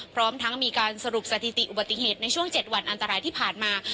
พร้อมทั้งมีการสรุปสถิติอุบัติเหตุในช่วง๗วันอันตรายที่ผ่านมา